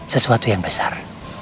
sesuatu yang besar